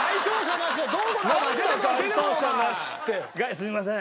すみません。